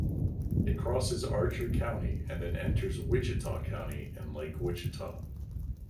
It crosses Archer County and then enters Wichita County and Lake Wichita.